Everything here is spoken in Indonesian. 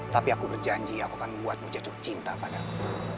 tapi aku berjanji aku akan membuatmu jatuh cinta padamu